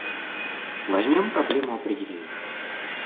Возьмем проблему определения.